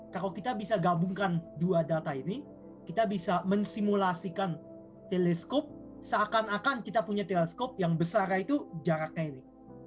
kalau kita bisa gabungkan dua data ini kita bisa mensimulasikan teleskop seakan akan kita punya teleskop yang besarnya itu jaraknya ini